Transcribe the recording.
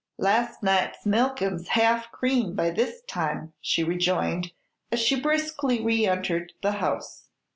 "Las' night's milkin's half cream by this time," she rejoined, as she briskly reentered the house.